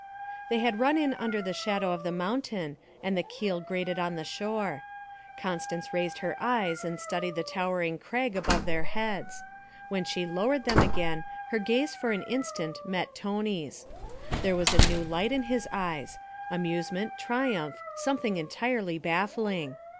They had run in under the shadow of the mountain and the keel grated on the shore. Constance raised her eyes and studied the towering crag above their heads; when she lowered them again, her gaze for an instant met Tony's. There was a new light in his eyes amusement, triumph, something entirely baffling.